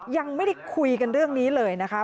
ยังไม่ได้คุยกันเรื่องนี้เลยนะคะ